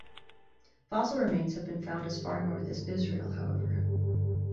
Fossil remains have been found as far north as Israel, however.